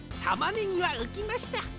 たまねぎはうきました。